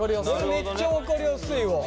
めっちゃ分かりやすいわ。